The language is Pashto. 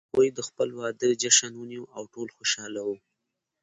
هغوی د خپل واده جشن ونیو او ټول خوشحال وو